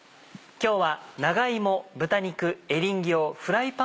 今日は。